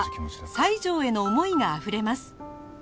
西条への思いがあふれます